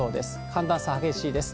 寒暖差激しいです。